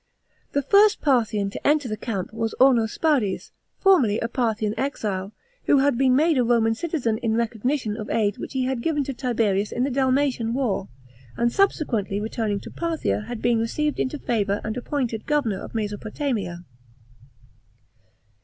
The first Parthian to enter the camp was Ornospades, formerly a Parthian exile, who had been made a Roman citizen in recognition of aid which he had given to Tiberius in the Dalmatian war, and sub sequently returning to Parthia had been received into favour and appointed governor of Mesopotamia.